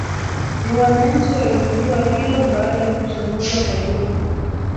ni wananchi waligundua hilo baada ya kuchomoza kwa jua